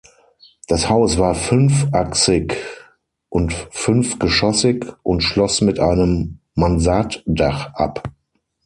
Das Haus war fünfachsig und fünfgeschossig und schloss mit einem Mansarddach ab.